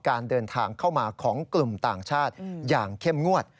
การเดินทางเข้ามาของกลุ่มต่างชาติอย่างเข้มงวด